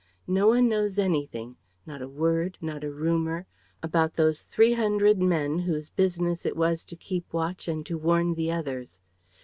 No one knows anything, not a word, not a rumor, about those three hundred men whose business it was to keep watch and to warn the others.